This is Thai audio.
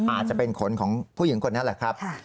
อาจจะเป็นขนของผู้หญิงคนนั้นแหละครับ